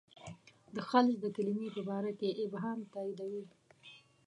د خلج د کلمې په باره کې ابهام تاییدوي.